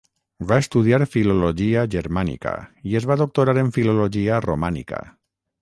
Va estudiar Filologia germànica i es va doctorar en Filologia romànica.